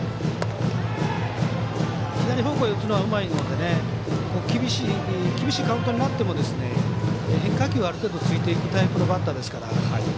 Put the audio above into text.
左方向へ打つのはうまいので厳しいカウントになっても変化球、ある程度ついていくタイプのバッターですから。